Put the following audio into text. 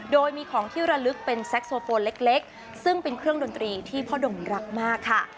โดยมีของที่ระลึกเป็นแซ็กโซโฟนเล็กซึ่งเป็นเครื่องดนตรีที่พ่อดมรักมากค่ะ